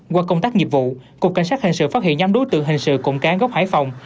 qua công tác nghiệp vụ cục cảnh sát hình sự phát hiện nhóm đối tượng hình sự cụm cán gốc hải phòng